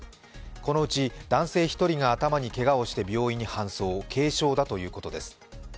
このうち男性１人が頭にけがをして病院に搬送、軽傷だということです。